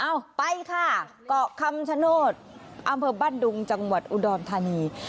เอาไปค่ะเกาะคำชโนธอำเภอบ้านดุงจังหวัดอุดรธานี